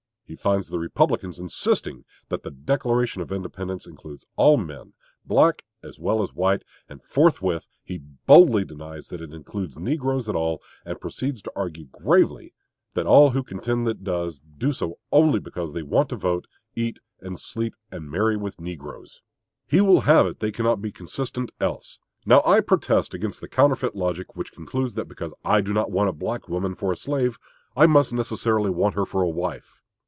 He finds the Republicans insisting that the Declaration of Independence includes all men, black as well as white, and forthwith he boldly denies that it includes negroes at all, and proceeds to argue gravely that all who contend it does, do so only because they want to vote, and eat, and sleep, and marry with negroes. He will have it that they cannot be consistent else. Now I protest against the counterfeit logic which concludes that because I do not want a black woman for a slave I must necessarily want her for a wife.